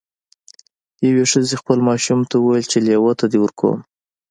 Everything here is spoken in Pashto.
یوې ښځې خپل ماشوم ته وویل چې لیوه ته دې ورکوم.